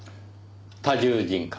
多重人格。